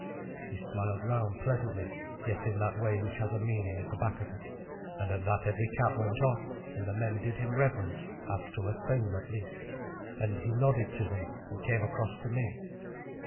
He smiled round pleasantly, yet in that way which has a meaning at the back of it; and at that every cap went off and the men did him reverence as to a thane at least, and he nodded to them and came across to me.